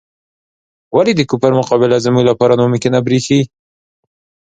ولې د کفر مقابله زموږ لپاره ناممکنه بریښي؟